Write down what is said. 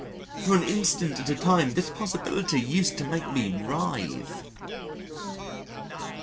for an instant at a time this possibility used to make me writhe.